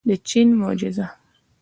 د چین معجزه.